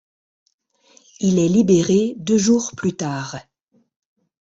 Il est libéré deux jours plus tard.